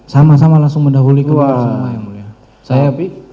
sama sama langsung mendahuli keluar semua ya mulia